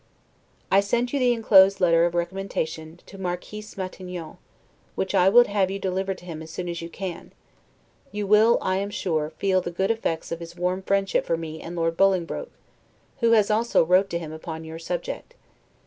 I send you the inclosed letter of recommendation to Marquis Matignon, which I would have you deliver to him as soon as you can; you will, I am sure, feel the good effects of his warm friendship for me and Lord Bolingbroke, who has also wrote to him upon your subject.